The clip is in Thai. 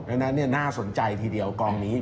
แล้วนั้นน่าสนใจทีเดียวกองนี้